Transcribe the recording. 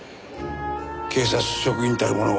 警察職員たるもの